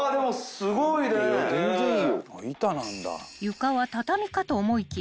［床は畳かと思いきや］